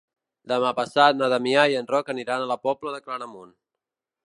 Demà passat na Damià i en Roc aniran a la Pobla de Claramunt.